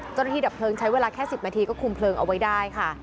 ดับเพลิงใช้เวลาแค่๑๐นาทีก็คุมเพลิงเอาไว้ได้ค่ะ